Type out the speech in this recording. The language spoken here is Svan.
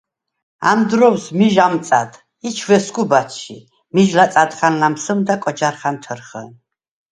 ამ დვრო̈ვს მიჟ ა̈მწა̈დ ი ჩვესგუ ბა̈ჩჟი. მიჟ ლაწა̈დხა̈ნ ლამსჷმდა კოჯა̈რხა̈ნ თჷრხჷნ;